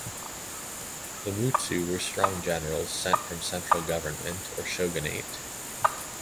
The Mutsu were strong generals sent from central government, or shogunate.